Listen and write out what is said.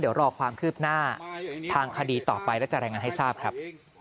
เดี๋ยวรอความคืบหน้าทางคดีต่อไปและจะรายงานให้ทราบครับ